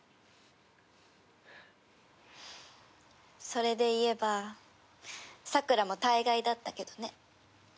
それで言えばさくらも大概だったけどね。